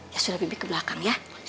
ya sudah bimbing ke belakang ya